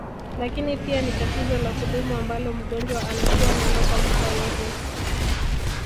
Lakini pia ni tatizo la kudumu ambalo mgonjwa anakua nalo kwa muda wote